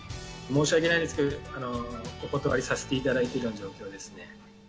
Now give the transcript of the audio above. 申し訳ないですけど、お断りさせていただいてるような状況ですね。